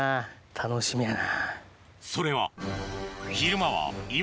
楽しみやな。